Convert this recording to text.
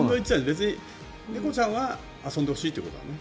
別に猫ちゃんは遊んでほしいということだね。